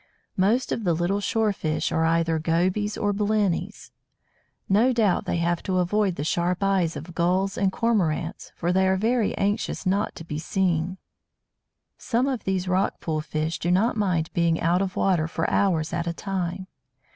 Most of the little shore fish are either Gobies or Blennies. No doubt they have to avoid the sharp eyes of Gulls and Cormorants, for they are very anxious not to be seen. Some of these rock pool fish do not mind being out of water for hours at a time.